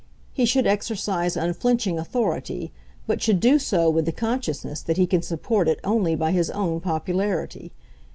He should exercise unflinching authority, but should do so with the consciousness that he can support it only by his own popularity.